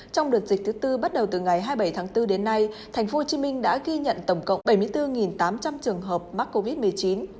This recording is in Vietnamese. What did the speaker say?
trong đợt dịch thứ tư bắt đầu từ ngày hai mươi bảy tháng bốn đến nay tp hcm đã ghi nhận tổng cộng bảy mươi bốn tám trăm linh trường hợp mắc covid một mươi chín